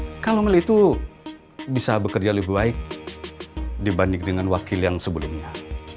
kalau mil itu bisa bekerja lebih baik dibanding dengan wakil yang sebelumnya